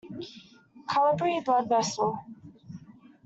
Capillary blood vessel.